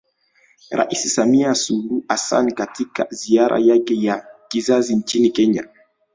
Rais Samia Suluhu Hassan katika ziara yake ya kikazi nchini Kenya